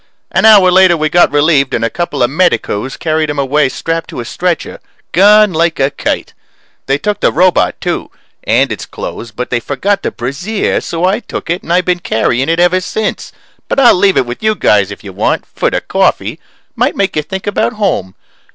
An hour later we got relieved and a couple of medicos carried him away strapped to a stretcher gone like a kite. They took the robot too, and its clothes, but they forgot the brassiere, so I took it and I been carrying it ever since, but I'll leave it with you guys if you want for the coffee. Might make you think about home.